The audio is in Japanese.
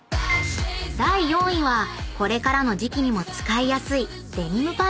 ［第４位はこれからの時季にも使いやすいデニムパンツ］